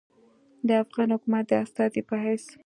د افغان حکومت د استازي پۀ حېث